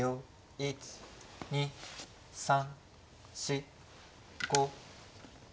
１２３４５６。